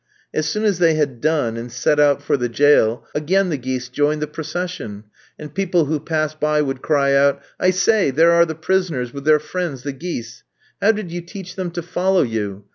As soon as they had done and set out for the jail, again the geese joined the procession, and people who passed by would cry out, "I say, there are the prisoners with their friends, the geese!" "How did you teach them to follow you?"